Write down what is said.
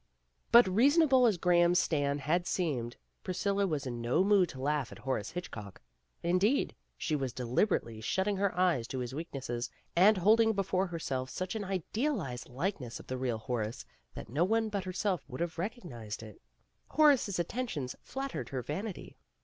'' But reasonable as Graham's stand had seemed, Priscilla was in no mood to laugh at Horace Hitchcock. Indeed, she was deliber ately shutting her eyes to his weaknesses, and holding before herself such an idealized like ness of the real Horace that no one but herself would have recognized it. Horace's attentions flattered her vanity.